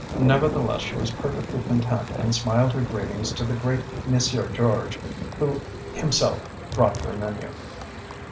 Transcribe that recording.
Nevertheless, she was perfectly content and smiled her greetings to the great Monsieur George, who himself brought their menu.